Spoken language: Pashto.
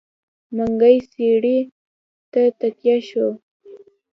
منګلی څېړۍ ته تکيه شو.